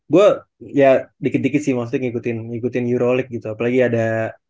gue ya dikit dikit sih maksudnya ngikutin euroleague gitu apalagi ada